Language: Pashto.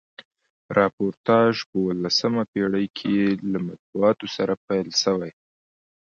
راپورتاژپه اوولسمه پیړۍ کښي له مطبوعاتو سره پیل سوی.